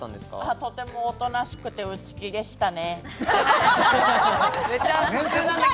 とてもおとなしくて内気でしたね。